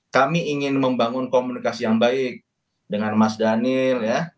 kami ingin membangun komunikasi yang baik dengan mas daniel